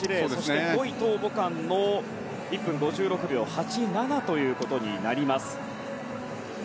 ５位、トウ・ボカンの１分５６秒８７ということになります。